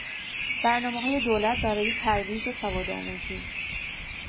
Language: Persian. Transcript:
برنامه های دولت برای ترویج سواد آموزی